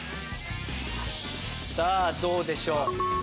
さぁどうでしょう？